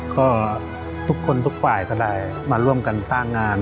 ก็ทุกคนทุกฝ่ายก็ได้มาร่วมกันสร้างงาน